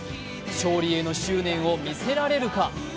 勝利への執念を見せられるか。